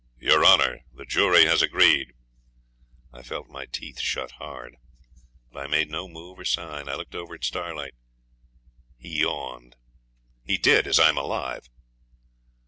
'Your Honour, the jury has agreed.' I felt my teeth shut hard; but I made no move or sign. I looked over at Starlight. He yawned. He did, as I'm alive.